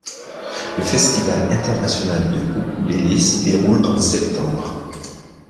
Le Festival international de Ukulélé s'y déroule en septembre.